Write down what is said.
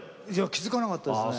気付かなかったですね。